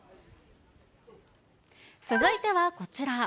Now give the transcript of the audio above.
続いてはこちら。